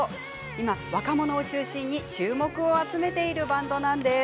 今、若者を中心に注目を集めているバンドなんです。